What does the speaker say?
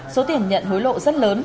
số tiền nhận hối lộ rất lớn